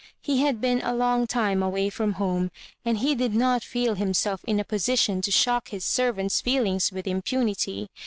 He had been a long time away from home> and he did not feel himself in a position to shock his servants' feelings with impunity.